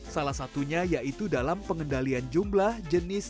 salah satunya yaitu dalam pengendalian jumlah jenis